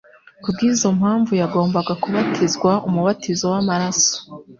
Kubw'izo mpamvu yagombaga kubatizwa umubatizo w'amaraso;